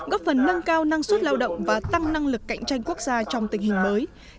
góp phần nâng cao năng suất lao động và tăng năng lực cạnh tranh quốc gia trong tình hình mới